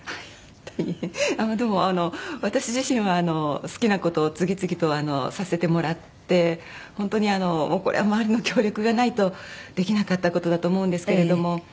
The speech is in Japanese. でもあの私自身は好きな事を次々とさせてもらって本当にもうこれは周りの協力がないとできなかった事だと思うんですけれども。